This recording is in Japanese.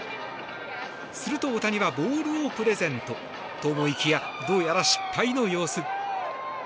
すると大谷はボールをプレゼントと、思いきやどうやら失敗の様子。